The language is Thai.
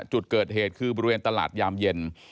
จุดเกิดเหตุคือบริเวณตลาดยามเย็น